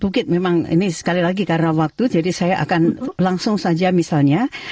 bukit memang ini sekali lagi karena waktu jadi saya akan langsung saja misalnya